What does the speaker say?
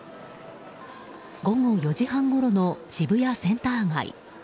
午後４時半ごろの渋谷センター街。